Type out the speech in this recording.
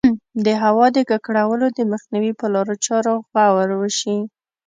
د هوا د ککړولو د مخنیوي په لارو چارو غور وشي.